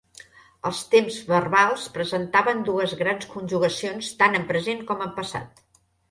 Els temps verbals presentaven dues grans conjugacions tant en present com en passat.